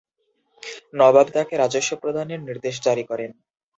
নবাব তাকে রাজস্ব প্রদানের নির্দেশ জারি করেন।